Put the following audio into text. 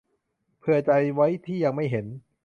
เผื่อใจไว้ที่ยังไม่เห็น